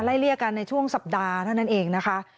เลี่ยกันในช่วงสัปดาห์เท่านั้นเองนะคะ